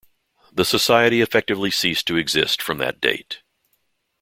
The society effectively ceased to exist from that date.